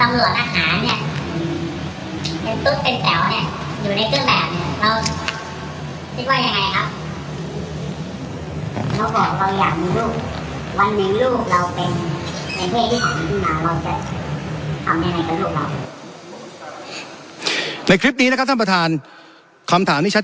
มีเพื่อนเป็นไหมครับหรือเพื่อนเราด้วยกันเขาบอกแล้วว่า